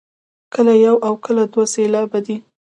کله یو او کله دوه سېلابه دی.